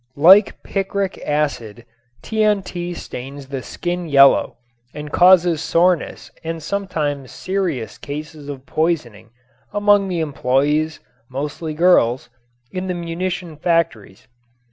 Like picric acid, TNT stains the skin yellow and causes soreness and sometimes serious cases of poisoning among the employees, mostly girls, in the munition factories.